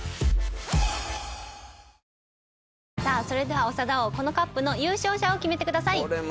それでは長田王このＣＵＰの優勝者を決めてください。